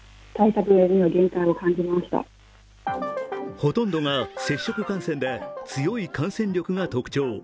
ほとんどが接触感染で強い感染力が特徴。